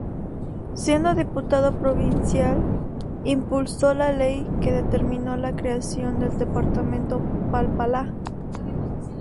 Siendo diputado provincial, impulsó la ley que determinó la creación del Departamento Palpalá.